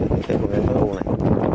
cái cục này nó thô này